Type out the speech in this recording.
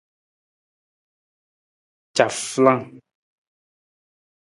Cafalang.